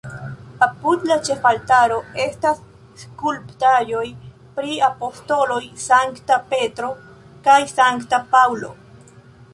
Apud la ĉefaltaro estas skulptaĵoj pri apostoloj Sankta Petro kaj Sankta Paŭlo.